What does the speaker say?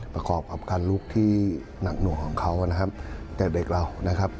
ประกอบกับการลุกที่หนักหน่วงของเขานะครับแต่เด็กเรานะครับ